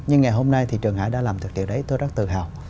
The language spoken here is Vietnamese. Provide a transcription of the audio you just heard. nhưng ngày hôm nay thì trường hải đã làm được điều đấy tôi rất tự hào